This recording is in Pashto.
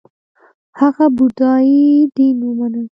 هغه بودايي دین ومانه